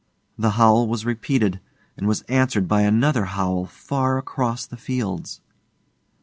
The howl was repeated, and was answered by another howl far across the fields.